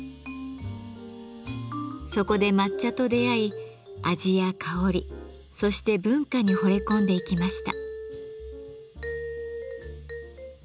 そこで抹茶と出会い味や香りそして文化にほれ込んでいきました。